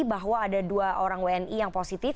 bahwa ada dua orang wni yang positif